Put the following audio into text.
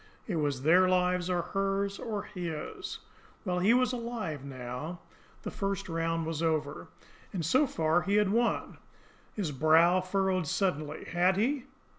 It was their lives, or hers, or his! Well, he was alive now, the first round was over, and so far he had won. His brows furrowed suddenly. Had he?